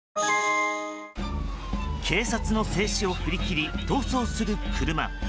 警察の制止を振り切り逃走する車。